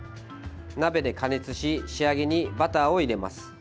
鍋で加熱し仕上げにバターを入れます。